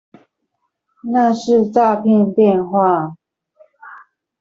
那是詐騙電話